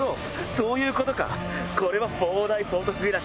そういうことか！